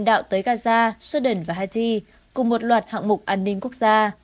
đạo tới gaza sudan và haiti cùng một loạt hạng mục an ninh quốc gia